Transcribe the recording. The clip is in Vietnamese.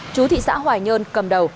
chú thị xã hỏa nhơn cầm đầu